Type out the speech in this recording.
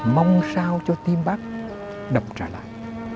mong sao cho tim bác đập trở lại